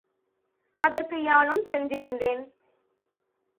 அதற்கு யானும் சென்றிருந்தேன்.